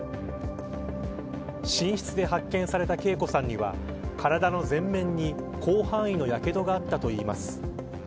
寝室で発見された桂子さんには体の前面に広範囲のやけどがあったといいます。